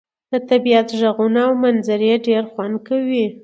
د طبيعت ږغونه او منظرې ډير خوند کوي.